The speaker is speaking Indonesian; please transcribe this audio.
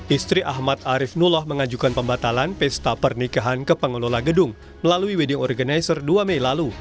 istri ahmad arief nuloh mengajukan pembatalan pesta pernikahan ke pengelola gedung melalui wedding organizer dua mei lalu